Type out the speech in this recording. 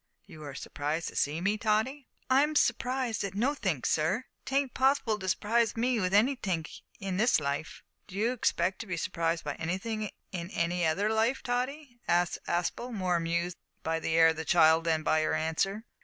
"You are surprised to see me, Tottie?" "I'm surprised at nothink, sir. 'Taint possible to surprise me with anythink in this life." "D'you expect to be surprised by anything in any other life, Tottie?" asked Aspel, more amused by the air of the child than by her answer.